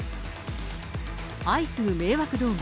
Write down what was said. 相次ぐ迷惑動画。